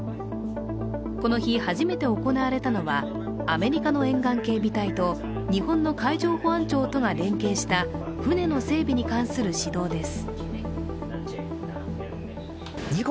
この日初めて行われたのはアメリカの沿岸警備隊と日本の海上保安庁とが連携した船の整備に関する指導です。